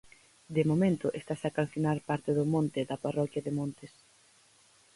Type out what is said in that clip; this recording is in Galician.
De momento, estase a calcinar parte do monte da parroquia de Montes.